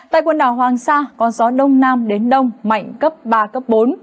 tại quần đảo hoàng sa có gió đông nam đến đông mạnh cấp ba cấp bốn